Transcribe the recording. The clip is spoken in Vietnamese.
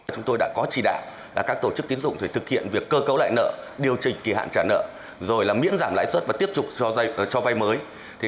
chúng tôi đã có chỉ đạo là các tổ chức tiến dụng thực hiện việc cơ cấu lại nợ điều trình kỳ hạn trả nợ rồi là miễn giảm lãi suất và tiếp tục cho vay mới